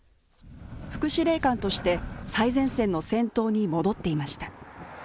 副司令官として最前線の戦闘に戻っていました